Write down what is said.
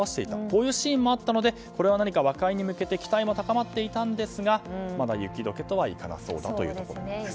こういうシーンもあったのでこれは何か和解に向けて期待も高まっていたんですがまだ雪解けとはいかなそうだということです。